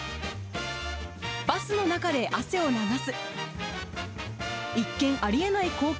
バスの中で汗を流す。